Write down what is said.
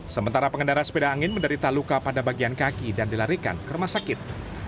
sementara pengendara sepeda angin menderita luka pada bagian kaki dan dilarikan ke rumah sakit